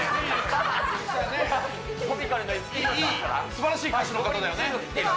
すばらしい歌手の方だよね。